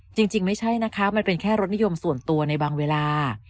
จริงไม่ใช่นะคะมันเป็นแค่รสนิยมส่วนตัวในบางเวลา